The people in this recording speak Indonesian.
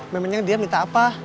memangnya dia minta apa